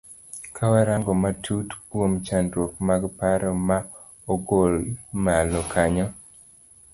Kawa rango matut kuom chandruok mag paro ma ogol malo kanyo.